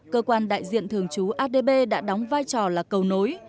cơ quan đại diện thường trú adb đã đóng vai trò là cầu nối